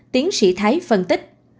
tiến sĩ thái phân tích